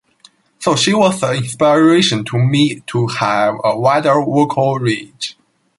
So she was an inspiration to me to have a wider vocal range.